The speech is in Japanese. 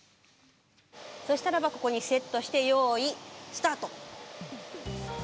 そしたらばここにセットして用意スタート！